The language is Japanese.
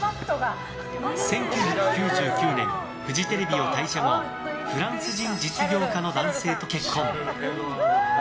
１９９９年、フジテレビを退社後フランス人実業家の男性と結婚。